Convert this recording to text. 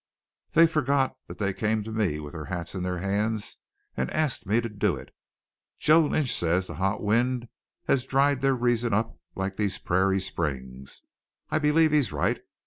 "They forget that they came to me with their hats in their hands and asked me to do it. Joe Lynch says the hot wind has dried their reason up like these prairie springs. I believe he's right.